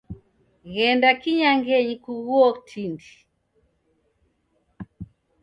Ghenda kinyangenyi kughuo tindi.